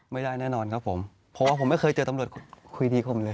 แน่นอนครับผมเพราะว่าผมไม่เคยเจอตำรวจคุยดีผมเลย